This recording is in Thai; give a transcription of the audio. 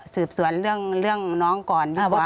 สืบสวนเรื่องน้องก่อนดีกว่า